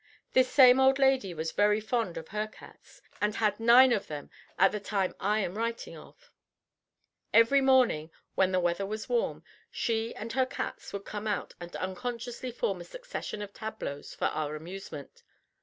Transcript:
This same old lady was very fond of her cats, and had nine of them at the time I am writing of. Every morning when the weather was warm, she and her cats would come out and unconsciously form a succession of tableaux for our amusement.